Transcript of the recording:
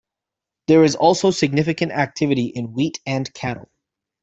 There is also significant activity in wheat and cattle.